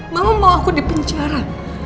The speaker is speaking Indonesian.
mama mau aku dipenjara